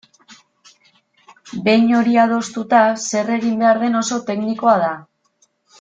Behin hori adostuta, zer egin behar den oso teknikoa da.